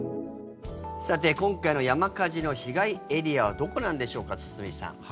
さて今回の山火事の被害エリアはどこなんでしょうか、堤さん。